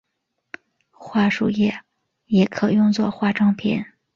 桦树液也可用做化妆品。